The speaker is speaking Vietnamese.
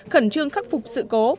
khẩn trương khắc phục sự cố